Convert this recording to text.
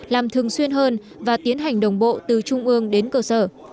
làm thường xuyên hơn và tiến hành đồng bộ từ trung ương đến cơ sở